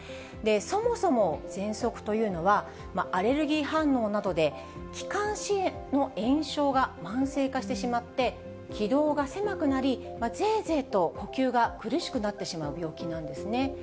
そもそも、ぜんそくというのは、アレルギー反応などで気管支の炎症が慢性化してしまって、気道が狭くなり、ぜーぜーと呼吸が苦しくなってしまう病気なんですね。